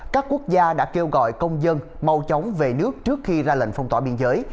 các quốc gia đã kêu gọi công dân mau chóng về nước trước khi ra lệnh phong tỏa biên giới